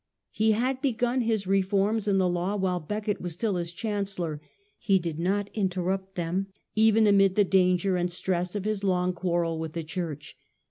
He had begun his reforms in the law while Becket was still his chancellor. He did not in terrupt them even amid the danger and stress of his long quarrel with the church.